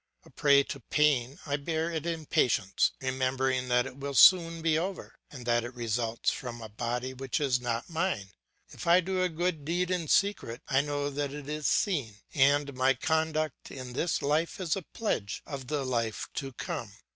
A prey to pain, I bear it in patience, remembering that it will soon be over, and that it results from a body which is not mine. If I do a good deed in secret, I know that it is seen, and my conduct in this life is a pledge of the life to come.